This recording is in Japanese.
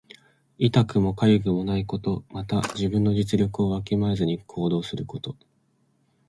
痛くもかゆくもないこと。また、自分の実力をわきまえずに行動すること。